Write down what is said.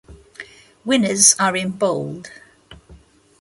Winners are in bold